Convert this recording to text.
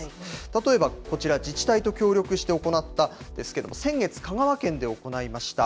例えばこちら、自治体と協力して行ったんですけれども、先月、香川県で行いました。